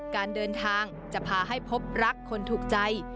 การเดินทางจะพาให้พบรักคนถูกใจ